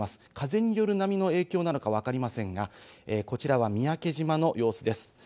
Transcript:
風による波の影響なのかわかりませんが、こちらは三宅島の様子です。